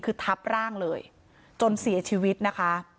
คือทับร่างเลยจนเสียชีวิตนะคะ